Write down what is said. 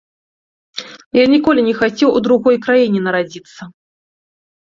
Я ніколі не хацеў у другой краіне нарадзіцца.